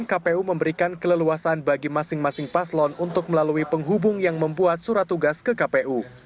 kpu memberikan keleluasan bagi masing masing paslon untuk melalui penghubung yang membuat surat tugas ke kpu